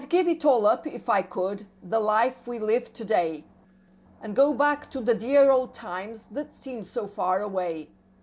GIVE it all up if I could, the life we live today; And go back to the dear old times that seem so far away.